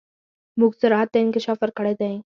موږ سرعت ته انکشاف ورکړی دی.